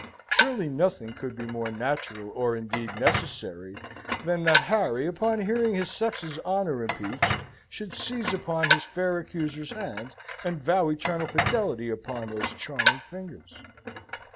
Surely nothing could be more natural, or indeed necessary, than that Harry, upon hearing his sex's honour impeached, should seize upon his fair accuser's hand, and vow eternal fidelity upon those charming fingers?